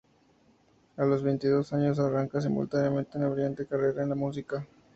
A los veintidós años arranca simultáneamente una brillante carrera en la música.